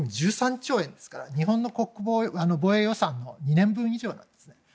１３兆円ですから日本の防衛予算の２年分以上なんですね。